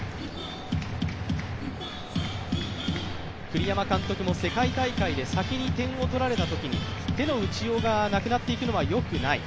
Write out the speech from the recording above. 栗山監督も世界大会で先に点を取られたときに手の打ちようがなくなっていくのはよくない。